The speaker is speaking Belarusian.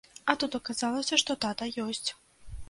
А тут аказалася, што тата ёсць.